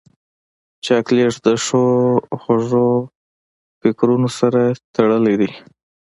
چاکلېټ د ښو خوږو فکرونو سره تړلی دی.